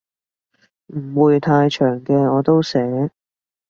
唔會太長嘅我都寫